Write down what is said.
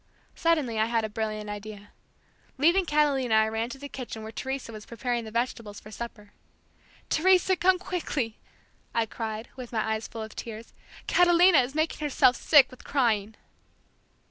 Suddenly I had a brilliant idea. Leaving Catalina I ran to the kitchen where Teresa was preparing the vegetables for supper. "Teresa, come quickly," I cried with my eyes full of tears; "Catalina is making herself sick with crying."